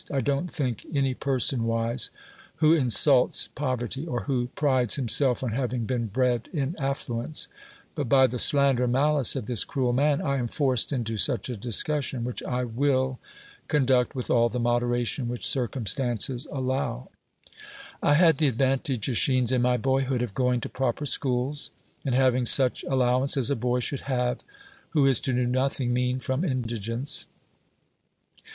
I don't think any person wise, who insults poverty, or who prides himself on having been bred in affluence: but by the slander and malice of this cruel man I am forced into such a discnssion ; which I will con 171 THE WORLD'S FAMOUS ORATIONS duct with all the moderation which circum stances allow. I had the advantage, ^schines, in my boyhood of going to proper schools, and having such al lowance as a boy should have who is to do noth ing mean from indigence.